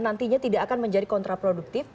nantinya tidak akan menjadi kontraproduktif